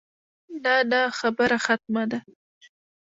نه نه خبره ختمه ده.